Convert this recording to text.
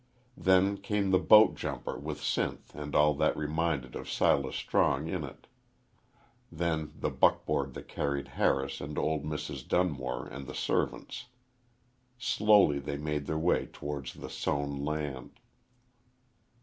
Then came the boat jumper with Sinth and all that remained of Silas Strong in it; then the buckboard that carried Harris and old Mrs. Dunmore and the servants. Slowly they made their way towards the sown land.